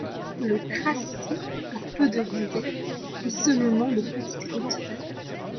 Le tracé a peu de relief, et seulement deux petites côtes.